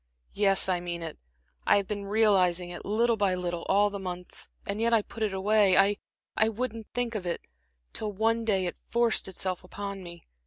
"Yes, I mean it. I have been realizing it, little by little, all these months. And yet I put it away I wouldn't think of it till one day it forced itself upon me.